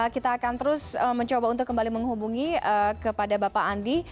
kita akan terus mencoba untuk kembali menghubungi kepada bapak andi